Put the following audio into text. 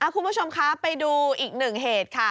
คุณผู้ชมคะไปดูอีกหนึ่งเหตุค่ะ